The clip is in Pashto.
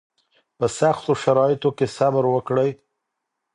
په سختو شرایطو کې صبر وکړئ